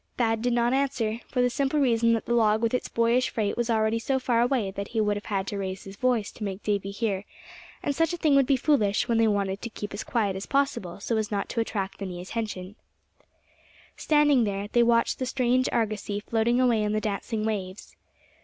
Thad did not answer, for the simple reason that the log with its boyish freight was already so far away that he would have to raise his voice to make Davy hear; and such a thing would be foolish, when they wanted to keep as quiet as possible, so as not to attract attention. Standing there, they watched the strange argosy floating away on the dancing waves.